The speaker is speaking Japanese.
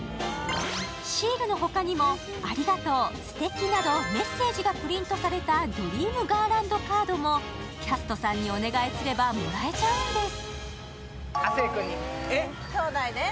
シールの他にも、ありがとう、すてきなどメッセージがプリントされたドリームガーランドカードもキャストさんにお願いすればもらえちゃうんです。